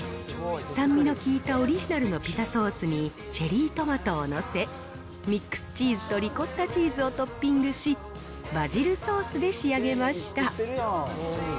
酸味の効いたオリジナルのピザソースにチェリートマトを載せ、ミックスチーズとリコッタチーズをトッピングし、バジルソースで仕上げました。